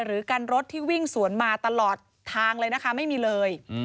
หรือกันรถที่วิ่งสวนมาตลอดทางเลยนะคะไม่มีเลย